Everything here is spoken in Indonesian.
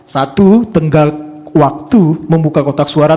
satu tinggal waktu membuka kotak suara